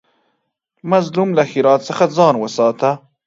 مظلوم له ښېرا څخه ځان وساته